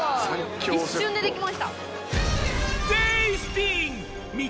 一瞬でできました。